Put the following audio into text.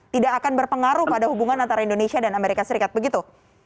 tidak akan berpengaruh pada hubungan antara indonesia dan amerika serikat begitu